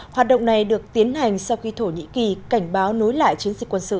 hoạt động này được tiến hành sau khi thổ nhĩ kỳ cảnh báo nối lại chiến dịch quân sự